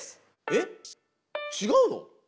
えっ？ちがうの？